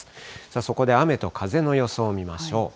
そこで雨と風の予想を見ましょう。